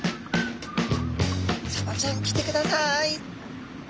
サバちゃん来てください。